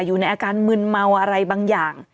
อยู่ในอาการมึนเมาอะไรบางอย่าง